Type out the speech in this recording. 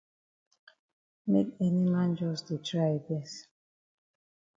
Make any man jus di try yi best.